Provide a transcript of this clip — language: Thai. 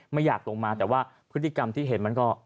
ไม่อยากลงมาแต่ว่าพฤติกรรมที่เห็นมันก็